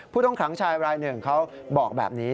ผู้ต้องขังชายวรรย์๑เขาบอกแบบนี้